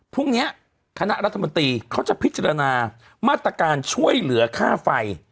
พรุ่งนี้คณะรัฐมนตรีเขาจะพิจารณามาตรการช่วยเหลือค่าไฟ